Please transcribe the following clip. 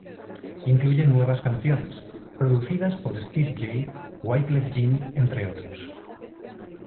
Incluye nuevas canciones, producidas por Steve J, Wyclef Jean, entre otros.